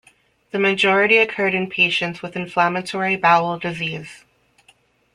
The majority occurred in patients with inflammatory bowel disease.